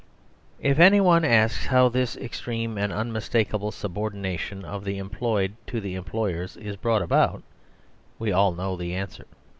If anyone ask how this extreme and unmistakable subordination of the employed to the employers is brought about, we all know the answer.